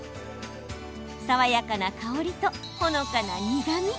爽やかな香りとほのかな苦み。